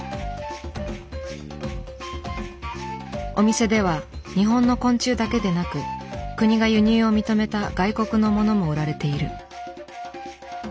お店では日本の昆虫だけでなく国が輸入を認めた外国のものも売られている。